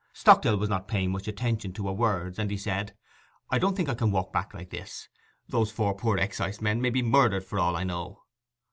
Stockdale was not paying much attention to her words, and he said, 'I don't think I can go back like this. Those four poor excisemen may be murdered for all I know.